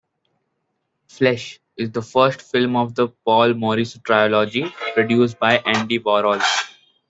"Flesh" is the first film of the "Paul Morrissey Trilogy" produced by Andy Warhol.